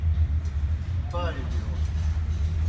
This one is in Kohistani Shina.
بائے بِیو۔